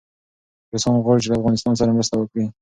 روسان غواړي چي له افغانستان سره مرسته وکړي.